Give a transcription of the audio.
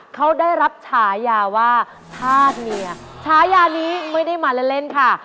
เขาได้รับฉายาว่าธาตุเมียฉายานี้ไม่ได้มาเล่นเล่นค่ะ